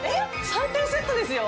３点セットですよ。